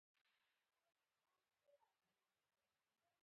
له پيسو ټولولو سره يې نه ده جوړه.